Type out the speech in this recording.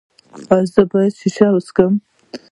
ایا زه باید شیشه وڅکوم؟